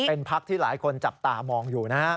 เป็นภาคที่หลายคนจับตามองอยู่นะครับ